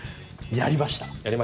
やりました。